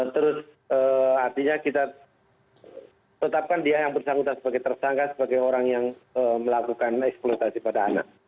terus artinya kita tetapkan dia yang bersangkutan sebagai tersangka sebagai orang yang melakukan eksploitasi pada anak